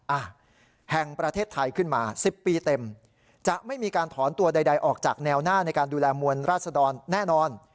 อ่ะแห่งประเทศไทยขึ้นมา๑๐ปีเต็มจะไม่มีการถอนตัวใดออกจากแนวหน้าในการดูแลมวลราชดรแน่นอน